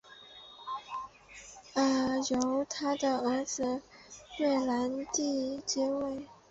由他的儿子埃兰迪尔接位。